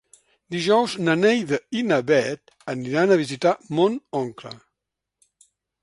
Dijous na Neida i na Bet aniran a visitar mon oncle.